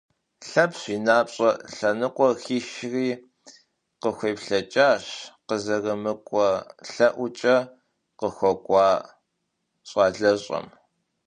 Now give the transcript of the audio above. Лъэпщ и напщӏэ лъэныкъуэр хишри, къыхуеплъэкӏащ къызэрымыкӏуэ лъэӏукӏэ къыхуэкӏуа щӏалэщӏэм.